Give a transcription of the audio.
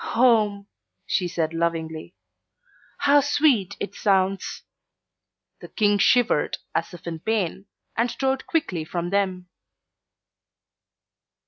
"Home," she said lovingly, "how sweet it sounds!" The King shivered as if in pain, and strode quickly from them.